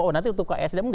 oh nanti untuk ksjm